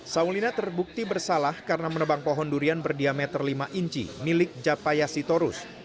saulina terbukti bersalah karena menebang pohon durian berdiameter lima inci milik japaya sitorus